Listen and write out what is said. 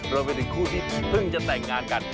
รวมไปถึงคู่ที่เพิ่งจะแต่งงานกัน